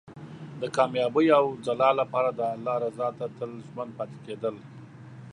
د کامیابۍ او ځلا لپاره د الله رضا ته تل ژمن پاتې کېدل.